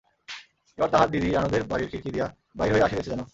এবার তাহার দিদি রানুদের বাড়ির খিড়কি দিয়া বাহির হইয়া আসিতেছে যেন।